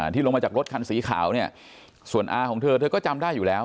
ลงมาจากรถคันสีขาวเนี่ยส่วนอาของเธอเธอก็จำได้อยู่แล้ว